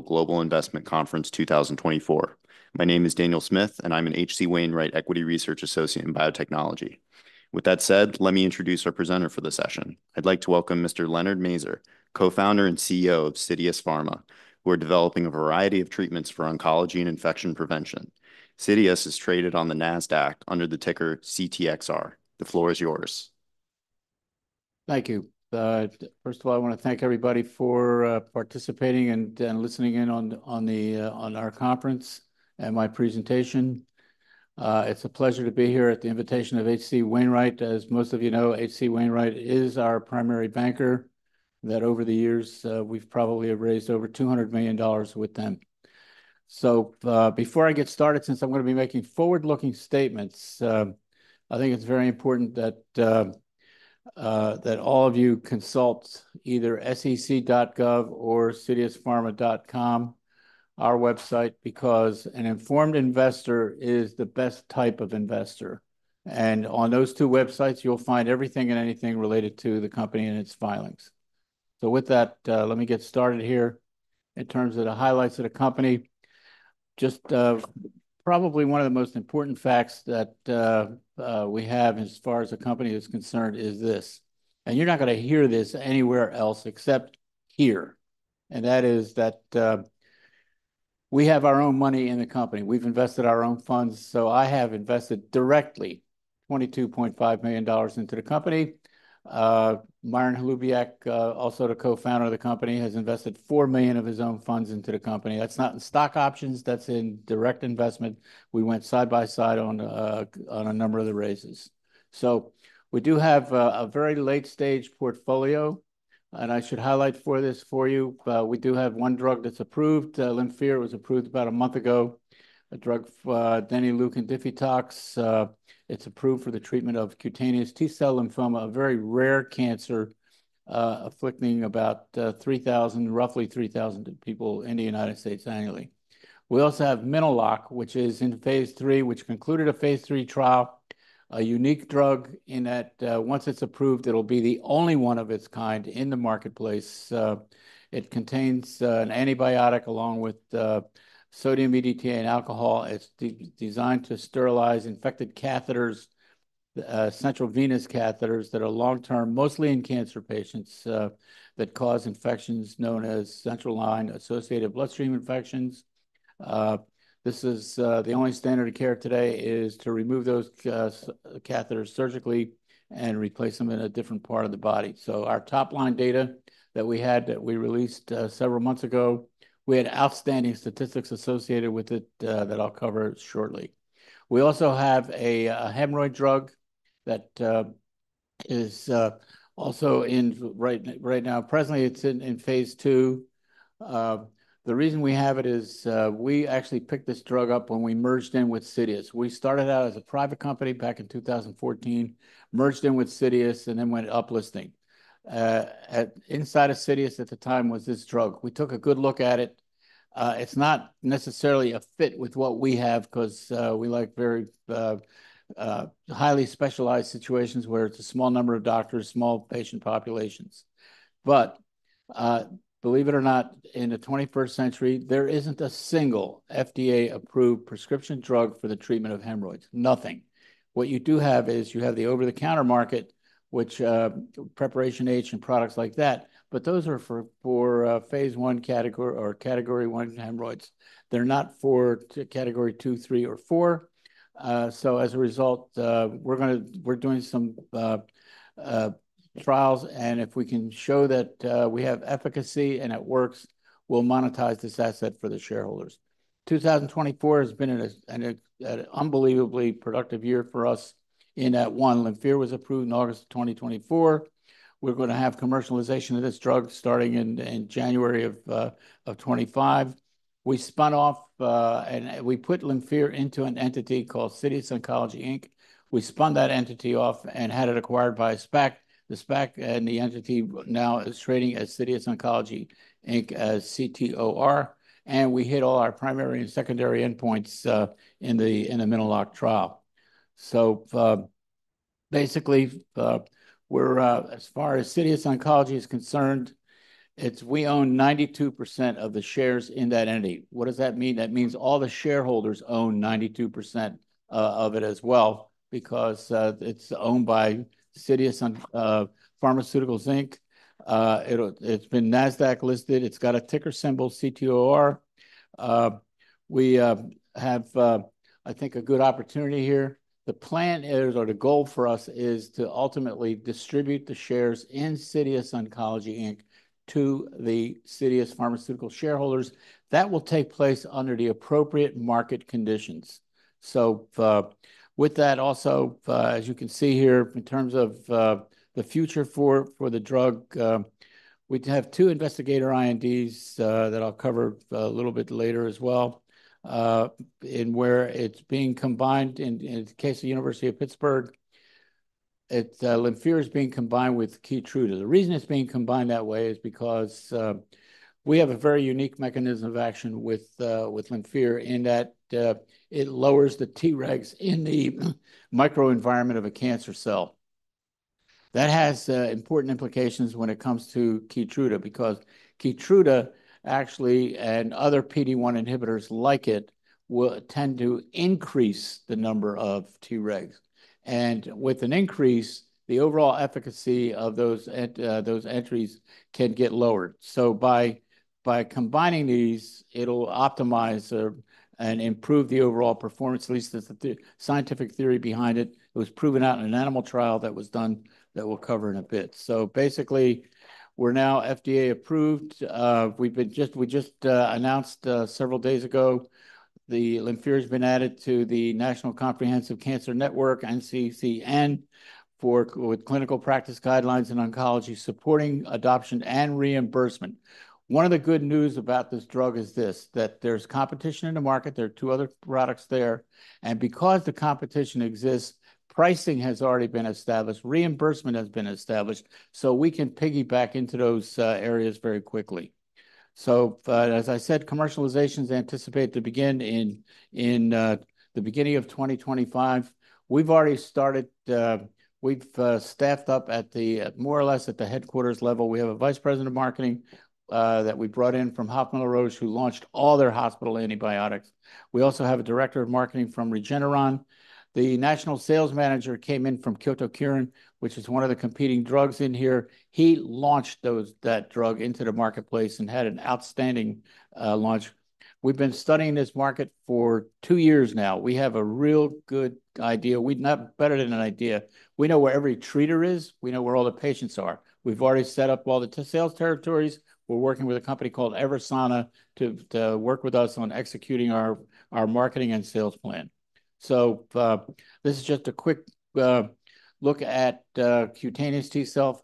Global Investment Conference 2024. My name is Daniel Smith, and I'm an H.C. Wainwright Equity Research Associate in Biotechnology. With that said, let me introduce our presenter for the session. I'd like to welcome Mr. Leonard Mazur, Co-Founder and CEO of Citius Pharmaceuticals. We're developing a variety of treatments for oncology and infection prevention. Citius is traded on the Nasdaq under the ticker CTXR. The floor is yours. Thank you. First of all, I wanna thank everybody for participating and listening in on our conference and my presentation. It's a pleasure to be here at the invitation of H.C. Wainwright. As most of you know, H.C. Wainwright is our primary banker. That over the years, we've probably raised over $200 million with them. Before I get started, since I'm gonna be making forward-looking statements, I think it's very important that all of you consult either sec.gov or citiuspharma.com, our website, because an informed investor is the best type of investor. On those two websites, you'll find everything and anything related to the company and its filings. With that, let me get started here. In terms of the highlights of the company, just probably one of the most important facts that we have as far as the company is concerned is this, and you're not gonna hear this anywhere else except here, and that is that we have our own money in the company. We've invested our own funds. So I have invested directly $22.5 million into the company. Myron Holubiak, also the co-founder of the company, has invested $4 million of his own funds into the company. That's not in stock options, that's in direct investment. We went side by side on a number of the raises. So we do have a very late-stage portfolio, and I should highlight for this for you. We do have one drug that's approved. LYMPHIR was approved about a month ago, a drug for denileukin diftitox. It's approved for the treatment of cutaneous T-cell lymphoma, a very rare cancer, afflicting about 3,000, roughly 3,000 people in the United States annually. We also have Mino-Lok, which is in phase III, which concluded a phase III trial, a unique drug in that, once it's approved, it'll be the only one of its kind in the marketplace. It contains an antibiotic along with sodium EDTA and alcohol. It's designed to sterilize infected catheters, central venous catheters that are long-term, mostly in cancer patients, that cause infections known as central line-associated bloodstream infections. This is the only standard of care today is to remove those catheters surgically and replace them in a different part of the body. Our top-line data that we had, that we released several months ago, we had outstanding statistics associated with it that I'll cover shortly. We also have a hemorrhoid drug that is also in phase II right now, presently. The reason we have it is we actually picked this drug up when we merged in with Citius. We started out as a private company back in 2014, merged in with Citius, and then went uplisting. Inside of Citius at the time was this drug. We took a good look at it. It's not necessarily a fit with what we have, 'cause we like very highly specialized situations where it's a small number of doctors, small patient populations. But, believe it or not, in the 21st century, there isn't a single FDA-approved prescription drug for the treatment of hemorrhoids. Nothing. What you do have is, you have the over-the-counter market, which, Preparation H and products like that, but those are for phase I category or category one hemorrhoids. They're not for category two, three, or four. So as a result, we're gonna we're doing some trials, and if we can show that we have efficacy and it works, we'll monetize this asset for the shareholders. 2024 has been an unbelievably productive year for us in that one. LYMPHIR was approved in August 2024. We're gonna have commercialization of this drug starting in January 2025. We spun off, and we put LYMPHIR into an entity called Citius Oncology, Inc. We spun that entity off and had it acquired by a SPAC. The SPAC and the entity now is trading as Citius Oncology, Inc., as CTOR, and we hit all our primary and secondary endpoints in the Mino-Lok trial. So, basically, we're, as far as Citius Oncology is concerned, it's we own 92% of the shares in that entity. What does that mean? That means all the shareholders own 92% of it as well, because it's owned by Citius Pharmaceuticals Inc. It's been Nasdaq listed. It's got a ticker symbol, CTOR. We have, I think, a good opportunity here. The plan is, or the goal for us, is to ultimately distribute the shares in Citius Oncology, Inc. To the Citius Pharmaceuticals shareholders. That will take place under the appropriate market conditions. So, with that, also, as you can see here, in terms of, the future for the drug, we have two Investigator INDs, that I'll cover a little bit later as well. And where it's being combined in the case of University of Pittsburgh, it, LYMPHIR is being combined with KEYTRUDA. The reason it's being combined that way is because, we have a very unique mechanism of action with LYMPHIR in that, it lowers the Tregs in the microenvironment of a cancer cell. That has, important implications when it comes to KEYTRUDA, because KEYTRUDA actually, and other PD-1 inhibitors like it, will tend to increase the number of Tregs. With an increase, the overall efficacy of those at those entries can get lowered. By combining these, it'll optimize and improve the overall performance, at least that's the scientific theory behind it. It was proven out in an animal trial that was done, that we'll cover in a bit. Basically, we're now FDA approved. We've just announced several days ago, LYMPHIR has been added to the National Comprehensive Cancer Network, NCCN, for [inaudible] with Clinical Practice Guidelines in Oncology, supporting adoption and reimbursement. One of the good news about this drug is this, that there's competition in the market. There are two other products there, and because the competition exists, pricing has already been established, reimbursement has been established, so we can piggyback into those areas very quickly. So, as I said, commercialization is anticipated to begin in the beginning of 2025. We've already started, we've staffed up at the, more or less, at the headquarters level. We have a vice president of marketing that we brought in from Hoffmann-La Roche, who launched all their hospital antibiotics. We also have a director of marketing from Regeneron. The national sales manager came in from Kyowa Kirin, which is one of the competing drugs in here. He launched those, that drug into the marketplace and had an outstanding launch. We've been studying this market for two years now. We have a real good idea, not better than an idea. We know where every treater is. We know where all the patients are. We've already set up all the sales territories. We're working with a company called EVERSANA to work with us on executing our marketing and sales plan. So, this is just a quick look at cutaneous T-cell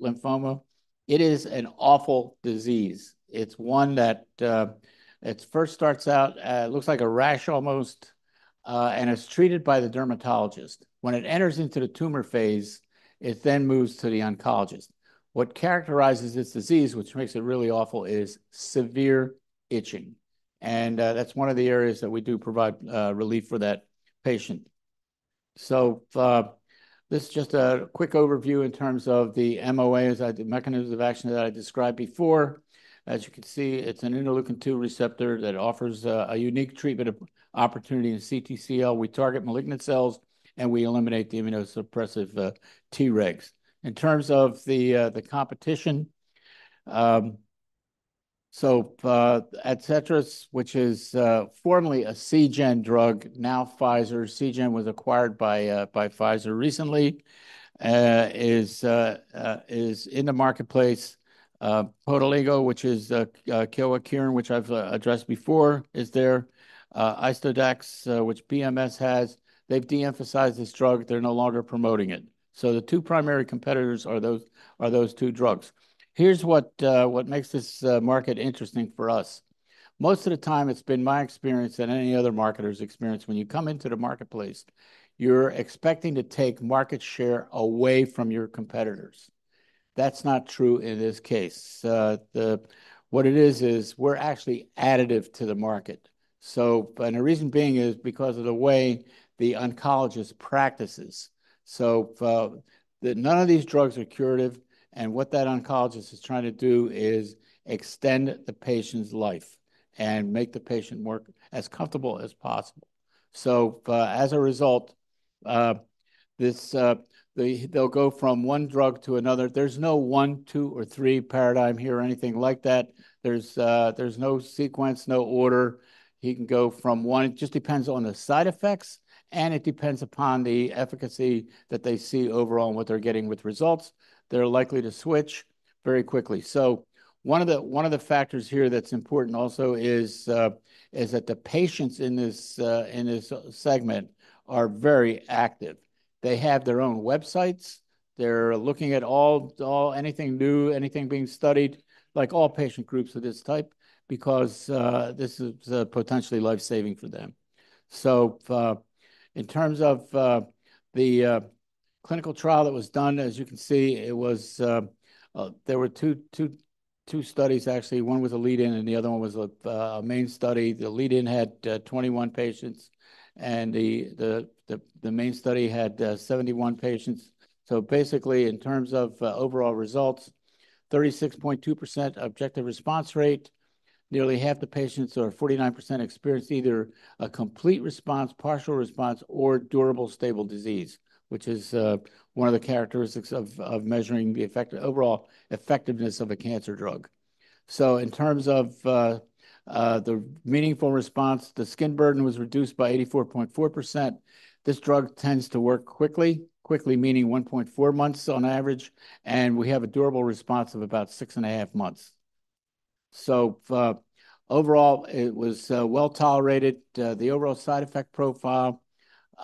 lymphoma. It is an awful disease. It's one that it first starts out, it looks like a rash almost, and it's treated by the dermatologist. When it enters into the tumor phase, it then moves to the oncologist. What characterizes this disease, which makes it really awful, is severe itching, and that's one of the areas that we do provide relief for that patient. So, this is just a quick overview in terms of the MOA, as I, the mechanisms of action that I described before. As you can see, it's an interleukin-2 receptor that offers a unique treatment opportunity in CTCL. We target malignant cells, and we eliminate the immunosuppressive Tregs. In terms of the competition, so ADCETRIS, which is formerly a Seagen drug, now Pfizer, Seagen was acquired by by Pfizer recently, is in the marketplace. POMALYST, which is Kyowa Kirin, which I've addressed before, is there. ISTODAX, which BMS has, they've de-emphasized this drug. They're no longer promoting it, so the two primary competitors are those, are those two drugs. Here's what makes this market interesting for us. Most of the time, it's been my experience and any other marketer's experience, when you come into the marketplace, you're expecting to take market share away from your competitors. That's not true in this case. What it is, is we're actually additive to the market. The reason being is because of the way the oncologist practices. None of these drugs are curative, and what that oncologist is trying to do is extend the patient's life and make the patient more as comfortable as possible. As a result, they'll go from one drug to another. There's no one, two, or three paradigm here or anything like that. There's no sequence, no order. He can go from one. It just depends on the side effects, and it depends upon the efficacy that they see overall and what they're getting with results. They're likely to switch very quickly. One of the factors here that's important also is that the patients in this segment are very active. They have their own websites. They're looking at all anything new, anything being studied, like all patient groups of this type, because this is potentially life-saving for them. So in terms of the clinical trial that was done, as you can see, it was. There were two studies actually. One was a lead-in, and the other one was a main study. The lead-in had 21 patients, and the main study had 71 patients. So basically, in terms of overall results, 36.2% objective response rate. Nearly half the patients or 49% experienced either a complete response, partial response, or durable, stable disease, which is one of the characteristics of measuring the effect, overall effectiveness of a cancer drug. So in terms of the meaningful response, the skin burden was reduced by 84.4%. This drug tends to work quickly, meaning 1.4 months on average, and we have a durable response of about six and a half months. So overall, it was well-tolerated. The overall side effect profile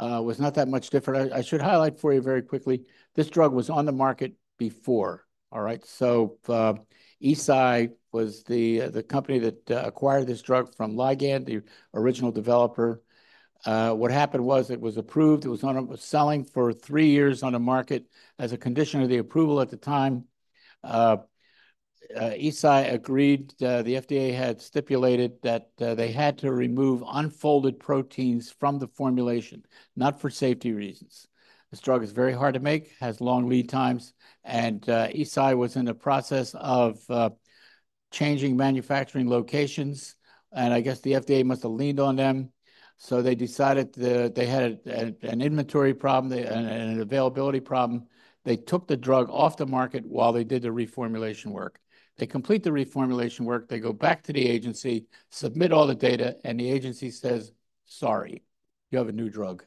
was not that much different. I should highlight for you very quickly, this drug was on the market before. All right? So Eisai was the company that acquired this drug from Ligand, the original developer. What happened was, it was approved. It was on, it was selling for three years on the market. As a condition of the approval at the time. Eisai agreed, the FDA had stipulated that they had to remove unfolded proteins from the formulation, not for safety reasons. This drug is very hard to make, has long lead times, and Eisai was in the process of changing manufacturing locations, and I guess the FDA must have leaned on them. So they decided that they had an inventory problem, and an availability problem. They took the drug off the market while they did the reformulation work. They complete the reformulation work, they go back to the agency, submit all the data, and the agency says, "Sorry, you have a new drug,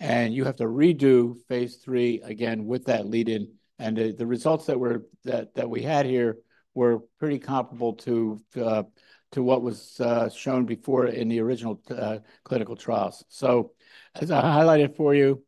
and you have to redo phase three again with that lead-in," and the results that we had here were pretty comparable to what was shown before in the original clinical trials, so as I highlighted for you,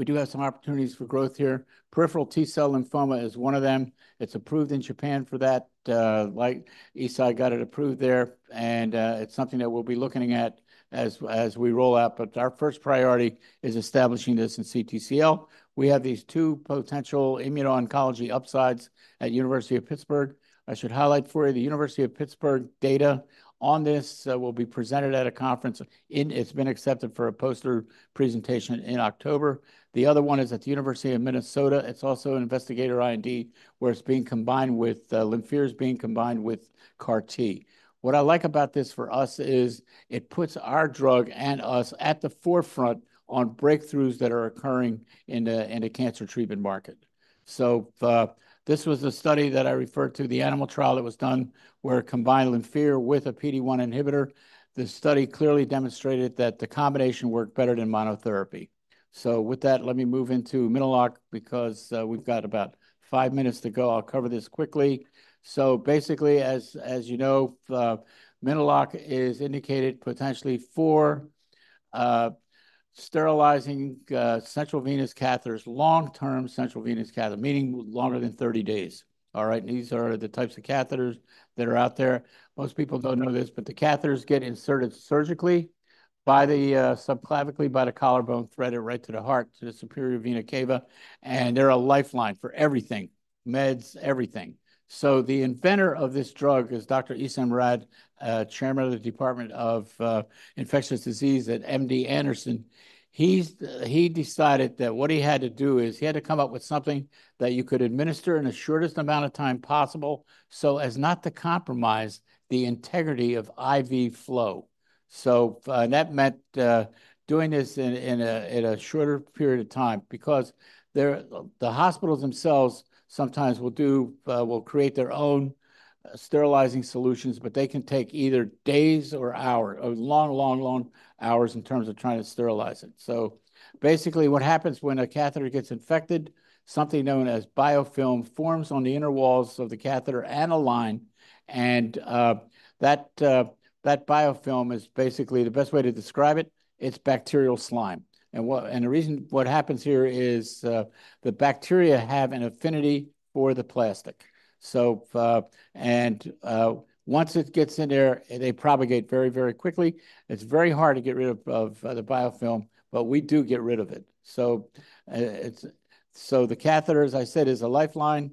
we do have some opportunities for growth here. Peripheral T-cell lymphoma is one of them. It's approved in Japan for that, like, Eisai got it approved there, and it's something that we'll be looking at as we roll out, but our first priority is establishing this in CTCL. We have these two potential immuno-oncology upsides at University of Pittsburgh. I should highlight for you the University of Pittsburgh data on this. It will be presented at a conference. It's been accepted for a poster presentation in October. The other one is at the University of Minnesota. It's also an Investigator IND, where LYMPHIR is being combined with CAR-T. What I like about this for us is, it puts our drug and us at the forefront on breakthroughs that are occurring in the cancer treatment market. So this was a study that I referred to, the animal trial that was done, where it combined LYMPHIR with a PD-1 inhibitor. This study clearly demonstrated that the combination worked better than monotherapy. So with that, let me move into Mino-Lok, because we've got about five minutes to go. I'll cover this quickly. So basically, as you know, Mino-Lok is indicated potentially for sterilizing central venous catheters, long-term central venous catheter, meaning longer than 30 days. All right? These are the types of catheters that are out there. Most people don't know this, but the catheters get inserted surgically by the subclavian by the collarbone, threaded right to the heart, to the superior vena cava, and they're a lifeline for everything, meds, everything. So the inventor of this drug is Dr. Issam Raad, Chairman of the Department of Infectious Diseases at MD Anderson. He decided that what he had to do is, he had to come up with something that you could administer in the shortest amount of time possible, so as not to compromise the integrity of IV flow. That meant doing this in a shorter period of time, because they're the hospitals themselves sometimes will create their own sterilizing solutions, but they can take either days or hours, or long, long, long hours in terms of trying to sterilize it. So basically, what happens when a catheter gets infected, something known as biofilm forms on the inner walls of the catheter and a line, and that biofilm is basically, the best way to describe it, it's bacterial slime. And the reason what happens here is the bacteria have an affinity for the plastic. Once it gets in there, they propagate very, very quickly. It's very hard to get rid of the biofilm, but we do get rid of it. The catheter, as I said, is a lifeline,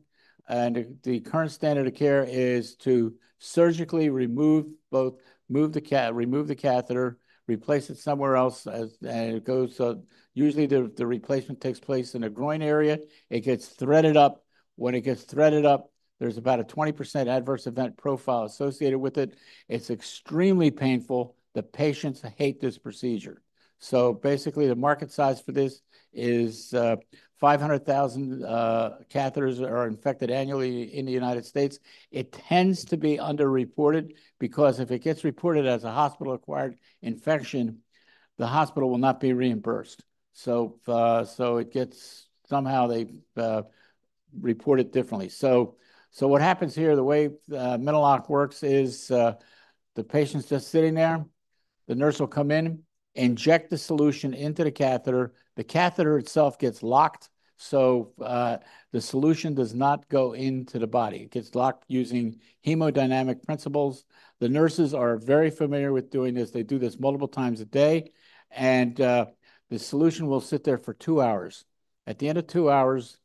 and the current standard of care is to surgically remove the catheter, replace it somewhere else. Usually, the replacement takes place in a groin area. It gets threaded up. When it gets threaded up, there's about a 20% adverse event profile associated with it. It's extremely painful. The patients hate this procedure. Basically, the market size for this is 500,000 catheters are infected annually in the United States. It tends to be underreported, because if it gets reported as a hospital-acquired infection, the hospital will not be reimbursed. It gets somehow they report it differently. What happens here, the way Mino-Lok works is the patient's just sitting there. The nurse will come in, inject the solution into the catheter. The catheter itself gets locked, so the solution does not go into the body. It gets locked using hemodynamic principles. The nurses are very familiar with doing this. They do this multiple times a day, and the solution will sit there for two hours. At the end of two hours,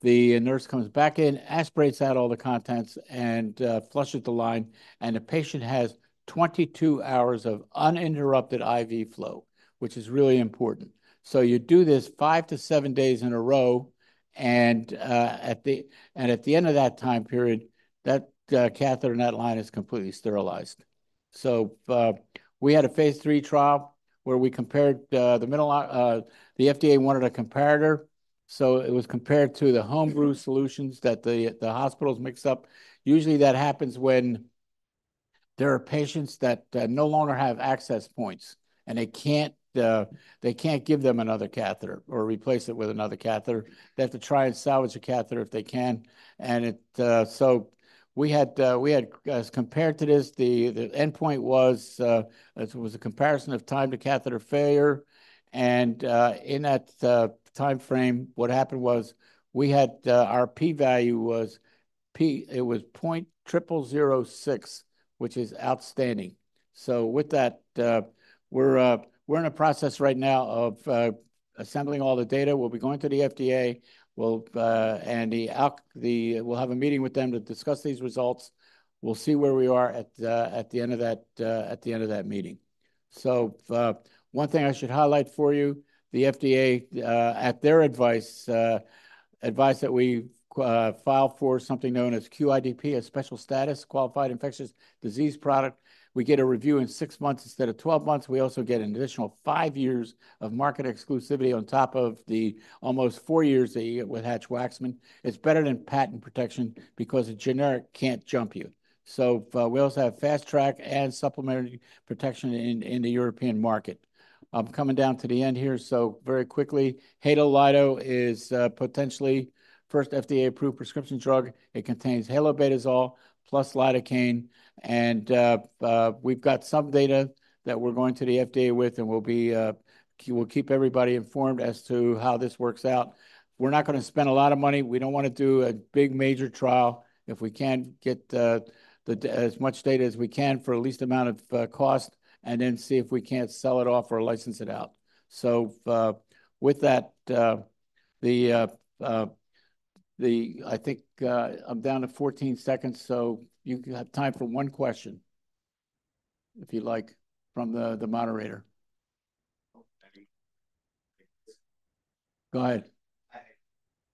the nurse comes back in, aspirates out all the contents, and flushes the line, and the patient has 22 hours of uninterrupted IV flow, which is really important. So you do this five to seven days in a row, and at the end of that time period, that catheter and that line is completely sterilized. So we had a phase III trial, where we compared the Mino-Lok. The FDA wanted a comparator, so it was compared to the home brew solutions that the hospitals mix up. Usually, that happens when there are patients that no longer have access points, and they can't give them another catheter or replace it with another catheter. They have to try and salvage the catheter if they can, so we had, as compared to this, the endpoint was a comparison of time to catheter failure, and in that time frame, what happened was we had our p-value was p, it was 0.0006, which is outstanding. So with that, we're in a process right now of assembling all the data. We'll be going to the FDA. We'll have a meeting with them to discuss these results. We'll see where we are at the end of that meeting. So, one thing I should highlight for you, the FDA, at their advice that we file for something known as QIDP, a special status, Qualified Infectious Disease Product. We get a review in six months instead of 12 months. We also get an additional five years of market exclusivity on top of the almost four years that you get with Hatch-Waxman. It's better than patent protection because a generic can't jump you. So, we also have fast track and supplementary protection in the European market. I'm coming down to the end here, so very quickly, Halo-Lido is potentially first FDA-approved prescription drug. It contains halobetasol plus lidocaine, and we've got some data that we're going to the FDA with, and we'll keep everybody informed as to how this works out. We're not gonna spend a lot of money. We don't wanna do a big, major trial. If we can't get as much data as we can for the least amount of cost, and then see if we can't sell it off or license it out. So, with that, I think I'm down to 14 seconds, so you have time for one question, if you'd like, from the moderator. Okay. Go ahead. Hi.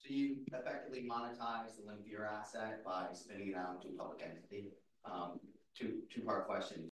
Do you effectively monetize the LYMPHIR asset by spinning it out into a public entity? Two-part question.